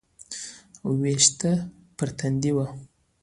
ويښته پر تندي وه.